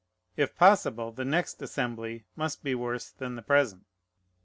If possible, the next Assembly must be worse than the present.